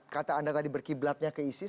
kata anda tadi berkiblatnya ke isis